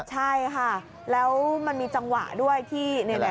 ใช่ค่ะแล้วมันมีจังหวะด้วยที่